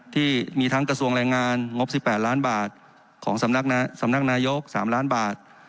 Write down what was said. ที่มีทั้งกระทรวงแรงงานงบ๑๘ล้านบาทของสำนักสำนักนายก๓ล้านบาท